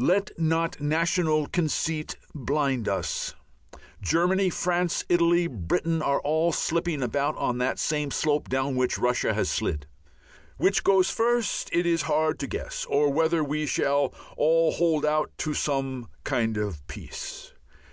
Let not national conceit blind us. Germany, France, Italy, Britain are all slipping about on that same slope down which Russia has slid. Which goes first, it is hard to guess, or whether we shall all hold out to some kind of Peace.